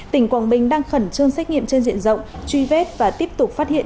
tỉnh quảng bình đang khẩn trương xét nghiệm trên diện rộng truy vết và tiếp tục phát hiện